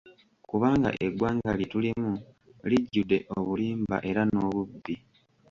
Kubanga eggwanga lye tulimu lijjudde obulimba era nobubbi.